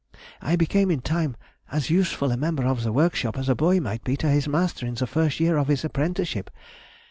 I became in time as useful a member of the workshop as a boy might be to his master in the first year of his apprenticeship....